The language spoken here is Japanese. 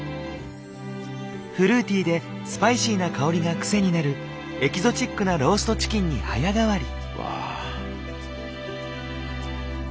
フルーティーでスパイシーな香りがくせになるエキゾチックなローストチキンに早変わり。